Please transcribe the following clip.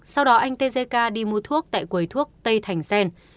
sau đó anh tzk đi mua thuốc tại quầy thuốc tây thành xen